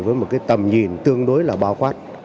với một tầm nhìn tương đối là bao khoát